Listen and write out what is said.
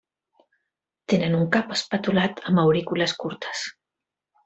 Tenen un cap espatulat amb aurícules curtes.